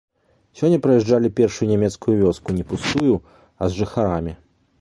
Сёння праязджалі першую нямецкую вёску не пустую, а з жыхарамі.